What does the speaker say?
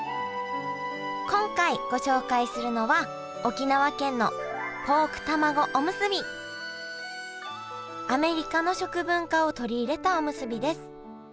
今回ご紹介するのはアメリカの食文化を取り入れたおむすびです。